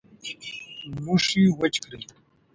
لوښي وچ کړئ